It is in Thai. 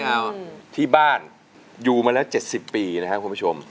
ที่บ้านอยู่มาแล้ว๗๐ปีนะครับคุณผู้ชม